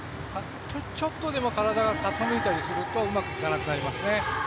ちょっとでも体が傾いたりするとうまくいかなくなりますね。